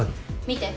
見て。